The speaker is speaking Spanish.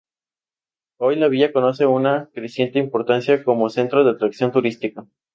Hoy la villa conoce una creciente importancia como centro de atracción turística.